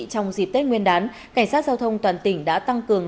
trong dịp tết nguyên đán cảnh sát giao thông toàn tỉnh đã tăng cường